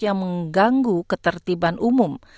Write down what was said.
yang mengganggu ketertiban umum